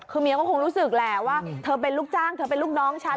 คือเมียก็คงรู้สึกแหละว่าเธอเป็นลูกจ้างเธอเป็นลูกน้องฉัน